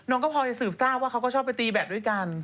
น้องก็พอจะสืบทราบว่าเขาก็ชอบไปตีแบตด้วยกัน